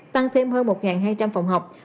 tăng thêm hơn một hai trăm linh phòng học